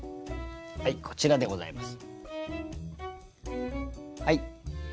はいこちらでございます。